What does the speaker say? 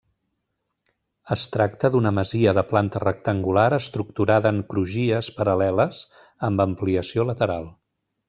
Es tracta d'una masia de planta rectangular estructurada en crugies paral·leles, amb ampliació lateral.